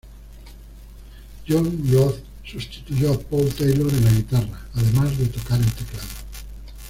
John Roth sustituyó a Paul Taylor en la guitarra, además de tocar el teclado.